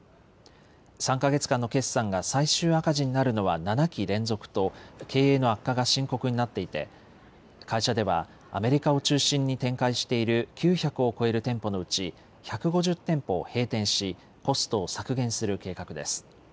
３か月間の決算が最終赤字になるのは７期連続と経営の悪化が深刻になっていて会社ではアメリカを中心に展開している９００を超える店舗のうち１５０店舗を閉店しコストを削減する計画です。